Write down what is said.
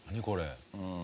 これ。